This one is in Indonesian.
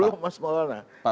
belum mas maulana